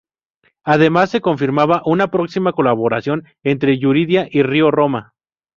Además se confirmaba una próxima colaboración entre Yuridia y Río Roma.